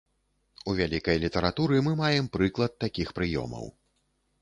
У вялікай літаратуры мы маем прыклад такіх прыёмаў.